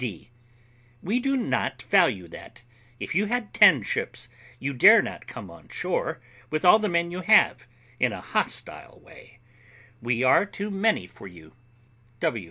] D. We do not value that; if you had ten ships, you dare not come on shore, with all the men you have, in a hostile way; we are too many for you.